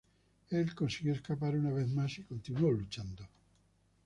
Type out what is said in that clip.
Él consiguió escapar una vez más y continuó luchando.